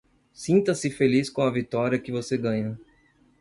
Sinta-se feliz com a vitória que você ganha.